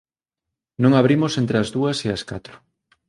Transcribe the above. Non abrimos entre as dúas e as catro